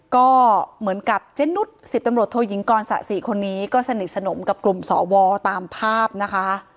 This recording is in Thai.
ก็เหมือนกับเจนุส๑๐ตำรวจโทยิงกรสะสี่คนนี้ก็สนิทสนมกับกลุ่มสวตามภาพนะคะ